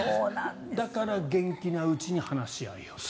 だから元気なうちに話し合いを。